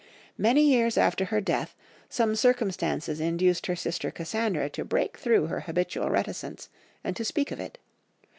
Many years after her death, some circumstances induced her sister Cassandra to break through her habitual reticence and to speak of it.